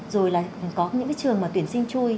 rồi là có những cái trường mà tuyển sinh chui